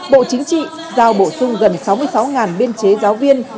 bộ chính trị giao bổ sung gần sáu mươi sáu biên chế giáo viên